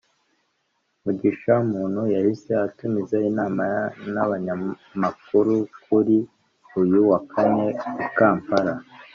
Mugisha Muntu yahise atumiza inama n’abanyamakuru kuri uyu wa kane I Kampala